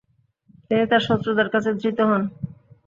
তিনি তার শত্রুদের কাছে ধৃত হন।